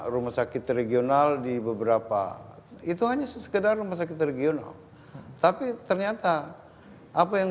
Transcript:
rumah sakit regional di beberapa itu hanya sekedar rumah sakit regional tapi ternyata apa yang